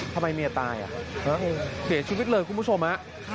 ทำไมเมียตายเสียชีวิตเลยคุณผู้ชมฮะ